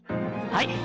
はい！